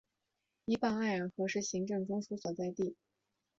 依傍艾尔河是行政中枢所在地。